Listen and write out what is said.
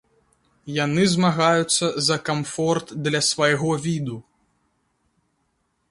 Яны змагаюцца за камфорт для свайго віду.